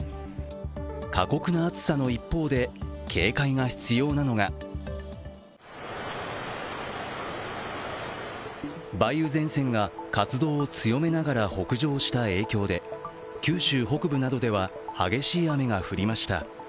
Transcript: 過酷な暑さの一方で、警戒が必要なのが梅雨前線が活動を強めながら北上した影響で九州北部などでは激しい雨が降りました。